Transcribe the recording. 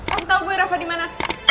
kasih tau gue tereva dimana